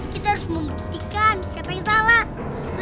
kita harus membuktikan siapa yang salah